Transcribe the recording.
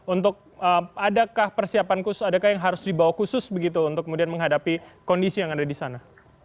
untuk adakah persiapan khusus adakah yang harus dibawa khusus begitu untuk kemudian menghadapi kondisi yang ada di sana